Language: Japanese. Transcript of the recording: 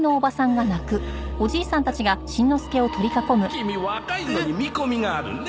キミ若いのに見込みがあるね。